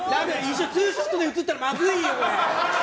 ツーショットで映ったらまずいよ！